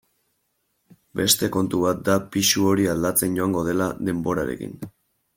Beste kontu bat da pisu hori aldatzen joango dela denborarekin.